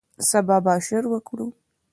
سبا به اشر وکړو